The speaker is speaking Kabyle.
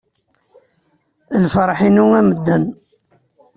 Lferḥ-inu a medden.